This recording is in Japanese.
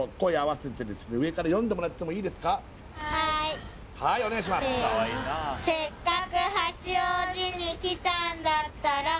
「せっかく八王子に来たんだったら」